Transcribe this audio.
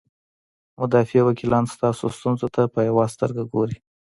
مدافع وکیلان ستاسو ستونزو ته په یوې سترګې ګوري.